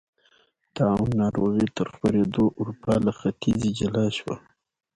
طاعون ناروغۍ تر خپرېدو اروپا له ختیځې جلا شوه.